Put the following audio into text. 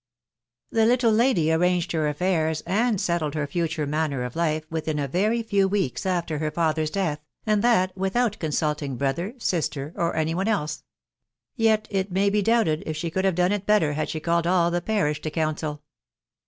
The little lady arranged bar affair*, and settled her future manner of life, within a very few weeks after her father's death, and that without consulting brother, sister, or any one else ; yet it may be doubted if she could have done it better had she Called all the parish to counsel.